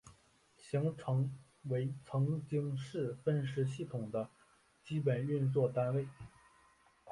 行程为曾经是分时系统的基本运作单位。